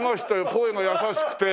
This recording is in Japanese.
声が優しくて。